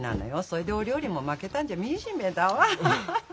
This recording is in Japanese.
それでお料理も負けたんじゃ惨めだわ。